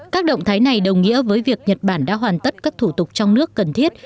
các động thái này đồng nghĩa với việc nhật bản đã hoàn tất các thủ tục trong nước cần thiết